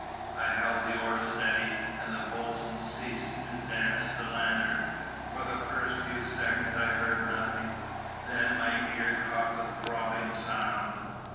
I held the oar steady, and the boatswain ceased to dance the lantern. For the first few seconds I heard nothing, then my ear caught the throbbing sound.